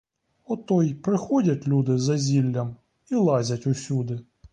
Ото й приходять люди за зіллям і лазять усюди.